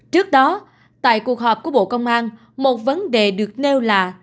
trước đó tại cuộc họp của bộ công an một vấn đề được nêu là